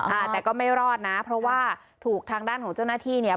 อ่าแต่ก็ไม่รอดนะเพราะว่าถูกทางด้านของเจ้าหน้าที่เนี่ย